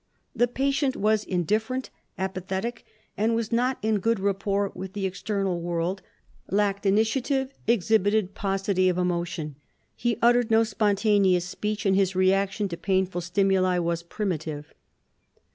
The patient was indifferent, apathetic, and was not in good rapport with the external world, lacked initiative, exhibited paucity of emotion. He uttered no spontaneous speech, and his reaction to painful stimuli was primitive.